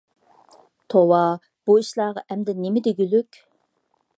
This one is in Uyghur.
توۋا، بۇ ئىشلارغا ئەمدى نېمە دېگۈلۈك؟